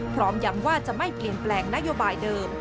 พร้อมย้ำว่าจะไม่เปลี่ยนแปลงนโยบายเดิม